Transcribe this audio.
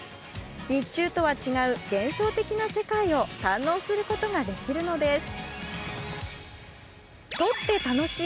日中とは違う幻想的な世界を堪能することができるのです。